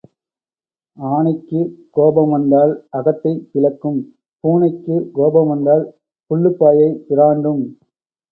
ஆனைக்குக் கோபம் வந்தால் அகத்தைப் பிளக்கும் பூனைக்குக் கோபம் வந்தால் புல்லுப்பாயைப் பிறாண்டும்.